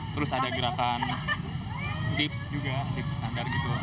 terus ada gerakan dips juga dips standar gitu